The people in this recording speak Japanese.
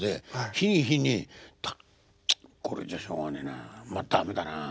日に日に「これじゃしょうがねえな。まあ駄目だな。